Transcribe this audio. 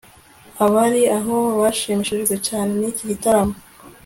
abari aho bashimishijwe cyane niki gitaramo